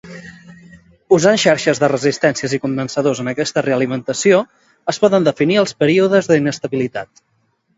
Usant xarxes de resistències i condensadors en aquesta realimentació es poden definir els períodes d'inestabilitat.